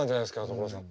所さん。